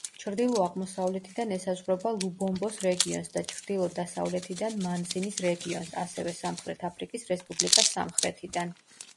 ჩრდილო-აღმოსავლეთიდან ესაზღვრება ლუბომბოს რეგიონს და ჩრდილო-დასავლეთიდან მანზინის რეგიონს, ასევე სამხრეთ აფრიკის რესპუბლიკას სამხრეთიდან.